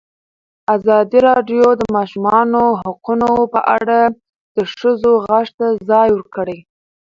ازادي راډیو د د ماشومانو حقونه په اړه د ښځو غږ ته ځای ورکړی.